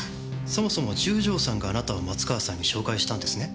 そもそも十条さんがあなたを松川さんに紹介したんですね？